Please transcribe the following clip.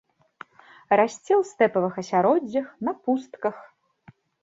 Расце ў стэпавых асяроддзях, на пустках.